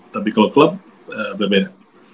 tapi kalau klub berbeda